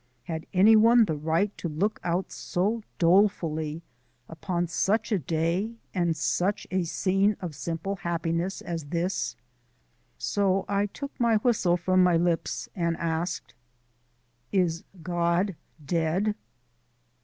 Had any one the right to look out so dolefully upon such a day and such a scene of simple happiness as this? So I took my whistle from my lips and asked: "Is God dead?"